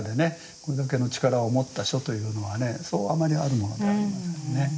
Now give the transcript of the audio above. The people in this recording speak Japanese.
これだけの力を持った書というのはねそうあまりあるものではありませんね。